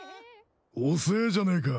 おせえじゃねえか。